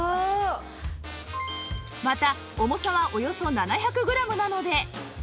また重さはおよそ７００グラムなので